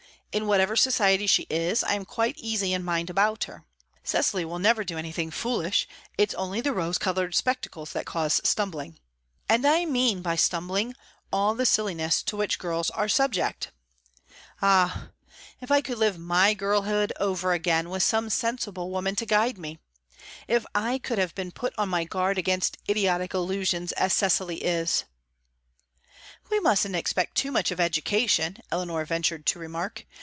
In whatever society she is, I am quite easy in mind about her. Cecily will never do anything foolish. It's only the rose coloured spectacles that cause stumbling. And I mean by 'stumbling' all the silliness to which girls are subject. Ah! if I could live my girlhood over again, and with some sensible woman to guide me! If I could have been put on my guard against idiotic illusions, as Cecily is!" "We mustn't expect too much of education," Eleanor ventured to remark.